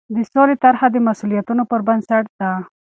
د سولې طرحه د مسوولیتونو پر بنسټ ده.